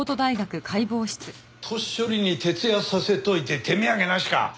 年寄りに徹夜させておいて手土産なしか！